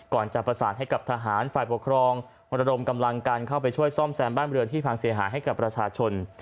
จะประสานให้กับทหารฝ่ายปกครองมระดมกำลังการเข้าไปช่วยซ่อมแซมบ้านเรือนที่พังเสียหายให้กับประชาชน